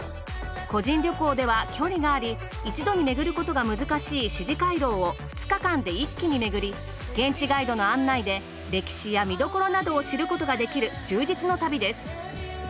個人旅行では距離があり一度に巡ることが難しい四寺廻廊を２日間で一気に巡り現地ガイドの案内で歴史や見どころなどを知ることが出来る充実の旅です。